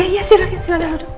ya silahkan silahkan duduk